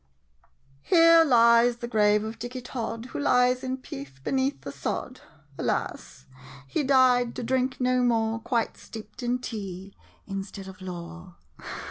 ] Here lies the grave of Dicky Tod, Who lies in peace, beneath the sod. Alas— he died to drink no more, Quite steeped in tea— instead of lore!